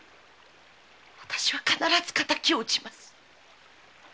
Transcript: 私は必ず敵を討ちます。